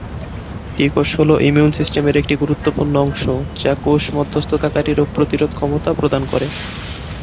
টি কোষ হলো ইমিউন সিস্টেমের একটি গুরুত্বপূর্ণ অংশ যা কোষ-মধ্যস্থতাকারী রোগ প্রতিরোধ ক্ষমতা প্রদান করে।